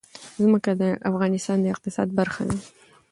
ځمکه د افغانستان د اقتصاد برخه ده.